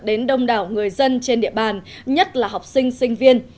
đến đông đảo người dân trên địa bàn nhất là học sinh sinh viên